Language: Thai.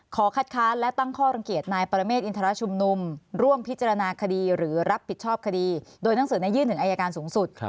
ขอคัดค้านและตั้งข้อรังเกียจนายปรเมฆอินทรชุมนุมร่วมพิจารณาคดีหรือรับผิดชอบคดีโดยหนังสือยื่นถึงอายการสูงสุด